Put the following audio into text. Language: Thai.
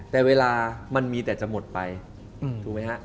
แต่เวลามันมีแต่จะหมดไปถูกไหมฮะ